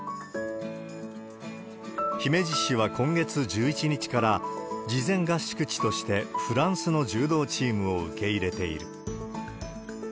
姫路市は今月１１日から、事前合宿地としてフランスの柔道チームを受け入れている。